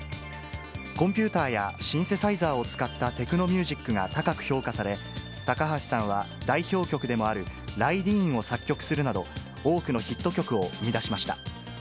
コンピューターやシンセサイザーを使ったテクノミュージックが高く評価され、高橋さんは代表曲でもあるライディーンを作曲するなど、多くのヒット曲を生み出しました。